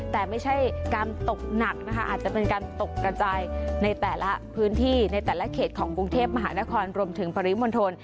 แต่ไม่ใช่การตกหนักนะคะอาจจะเป็นการตกกระจายในแต่ละพื้นที่ในแต่ละเขตของกรุงเทพมหานครรวมถึงปริมณฑล